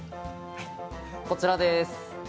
◆こちらです。